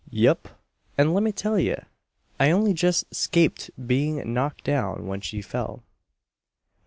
"Yep. And lemme tell ye, I only jest 'scaped being knocked down when she fell."